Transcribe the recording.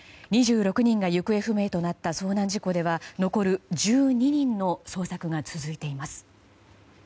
２６人が行方不明となった遭難事故では残る１２人の捜索が続いています。